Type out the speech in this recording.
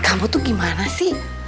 kamu tuh gimana sih